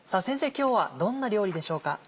今日はどんな料理でしょうか？